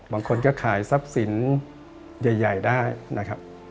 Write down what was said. บางคนก็ขายทรัพย์สินใหญ่ได้นะครับ